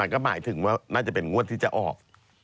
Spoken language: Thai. ก็หมายถึงว่าน่าจะเป็นงวดที่จะออก